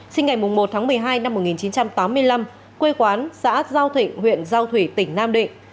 sinh ngày một tháng một mươi hai năm một nghìn chín trăm tám mươi năm quê quán xã giao thịnh huyện giao thủy tỉnh nam định